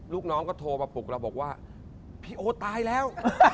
ลูกน้องก็โทรมาปลุกเราบอกว่าพี่โอตายแล้ว